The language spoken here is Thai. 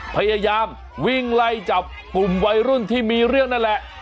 พยายามวิ่งไล่จับกลุ่มวัยรุ่นที่มีเรื่องนั่นแหละ